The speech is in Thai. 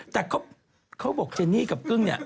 แต่เขาบอกเจนี่กับกึ้งเนี่ย